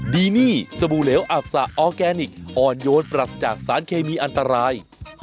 ดีนี่สบู่เหลวอับสะออร์แกนิคอ่อนโยนปรัสจากสารเคมีอันตราย